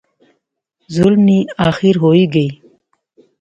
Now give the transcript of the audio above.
ظلم نی آخیر ہوئی گئی